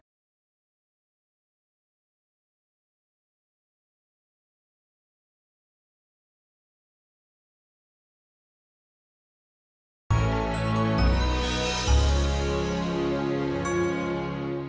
gue jadi bikin sagi ketawanya deh